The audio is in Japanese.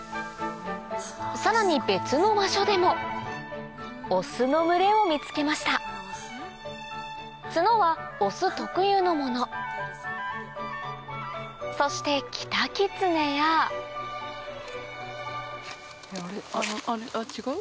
さらに別の場所でもオスの群れを見つけました角はオス特有のものそしてキタキツネや違う？